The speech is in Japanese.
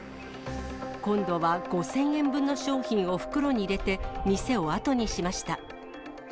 今度は５０００円分の商品を袋に入れて、店を後にしました。